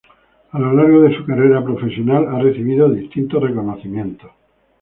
A lo largo de su carrera profesional ha recibido distintos reconocimientos.